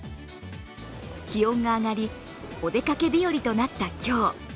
気温が上がり、お出かけ日よりとなった今日。